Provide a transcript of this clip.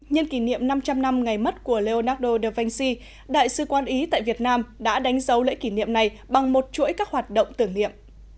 nhân kỷ niệm năm trăm linh năm ngày mất của leonardo da vinci đại sứ quán ý tại việt nam đã đánh dấu lễ kỷ niệm này bằng một chuỗi các hoạt động tưởng niệm